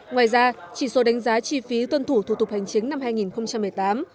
ngoài ra chỉ số đánh giá chi phí tuân thủ thủ tục hành chính năm hai nghìn một mươi tám